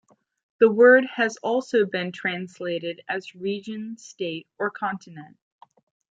The word has also been translated as "region", "state" or "continent".